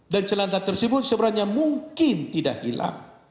dan celana tersebut sebenarnya mungkin tidak hilang